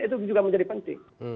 itu juga menjadi penting